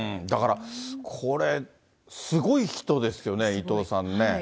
だから、これ、すごい人ですよね、伊藤さんね。